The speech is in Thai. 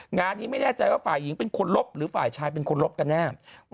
งานนี้ไม่แน่ใจว่าฝ่ายหญิงเป็นคนลบหรือฝ่ายชายเป็นคนลบกันแน่